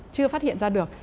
chưa phát hiện ra được